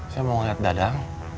saya mau ngeliat dadang